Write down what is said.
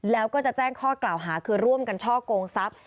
แล้วก็จะแจ้งข้อกล่าวหาคือร่วมกันช่อกงทรัพย์